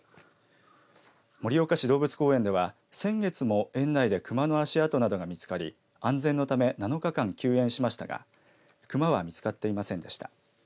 盛岡市動物公園では先月も園内で熊の足跡などが見つかり安全のため７日間休園しましたが熊は見つかっていませんでした。